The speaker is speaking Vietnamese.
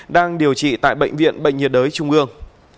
đang điều trị tại bệnh viện bệnh nhiệt đới trung ương